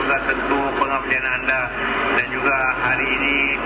dan terima kasih atas pengawalan hari ini